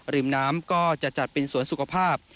ริมน้ำก็จะจัดเป็นสวนสุขภาพ